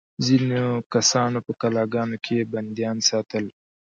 ځینو کسانو په قلعه ګانو کې بندیان ساتل.